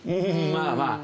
まあまあ。